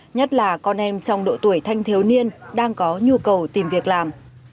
nhất là con em trong độ tuổi thanh thiếu niên đang có nhu cầu tìm việc làm